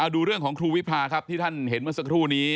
ดูเรื่องของครูวิพาครับที่ท่านเห็นเมื่อสักครู่นี้